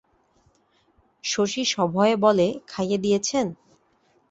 শশী সভয়ে বলে, খাইয়ে দিয়েছেন?